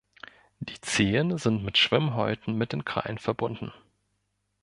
Die Zehen sind mit Schwimmhäuten mit den Krallen verbunden.